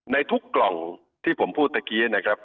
ในทุกกล่องที่ผมพูดเมื่อกี้นะครับ